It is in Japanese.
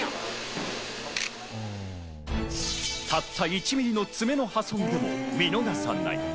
たった１ｍｍの爪の破損でも見逃さない。